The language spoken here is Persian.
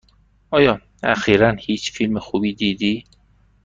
آیا اخیرا هیچ فیلم خوبی دیدی؟